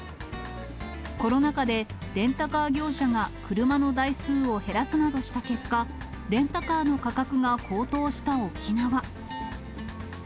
コロナ禍でレンタカー業者が車の台数を減らすなどした結果、レンタカーの価格が高騰した沖縄。